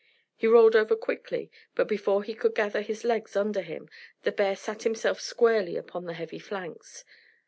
He rolled over quickly, but before he could gather his legs under him, the bear sat himself squarely upon the heavy flanks.